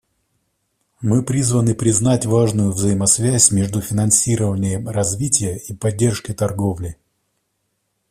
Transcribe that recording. Мы призваны признать важную взаимосвязь между финансированием развития и поддержкой торговли.